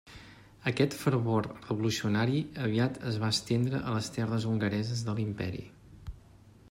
Aquest fervor revolucionari aviat es va estendre a les terres hongareses de l'Imperi.